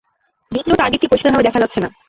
দ্বিতীয় টার্গেটকে পরিষ্কারভাবে দেখা যাচ্ছে না।